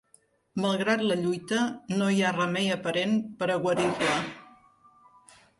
Malgrat la lluita, no hi ha remei aparent per a guarir-la.